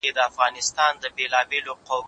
زه به سبا بازار ته ځم وم؟!